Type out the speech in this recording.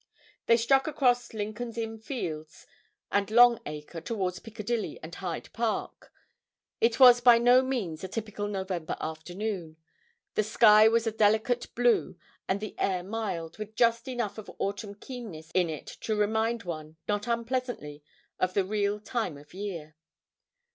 They struck across Lincoln's Inn Fields and Long Acre, towards Piccadilly and Hyde Park. It was by no means a typical November afternoon: the sky was a delicate blue and the air mild, with just enough of autumn keenness in it to remind one, not unpleasantly, of the real time of year.